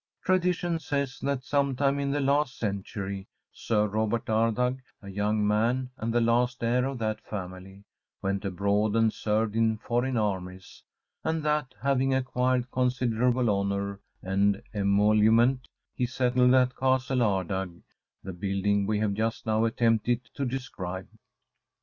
Tradition says that, sometime in the last century, Sir Robert Ardagh, a young man, and the last heir of that family, went abroad and served in foreign armies; and that, having acquired considerable honour and emolument, he settled at Castle Ardagh, the building we have just now attempted to describe.